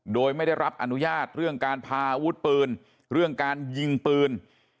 โดยไม่ได้รับอนุญาตเรื่องการพาอาวุธปืนเรื่องการยิงปืน